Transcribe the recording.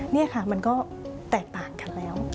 นี่ค่ะมันก็แตกต่างกันแล้ว